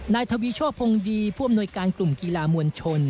นายทวีช่อพงษ์ดีผ่วมหน่วยการกลุ่มกีฬามวลชน